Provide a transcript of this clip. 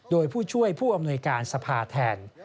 โดยผู้ช่วยผู้อำนวยการสภาแทน